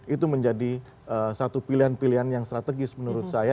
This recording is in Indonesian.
itu menjadi satu pilihan pilihan yang strategis menurut saya